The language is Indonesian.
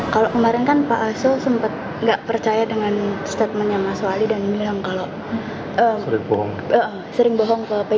kalau kemarin kan pak arsul sempat nggak percaya dengan statementnya mas wali dan bilang kalau sering bohong ke p tiga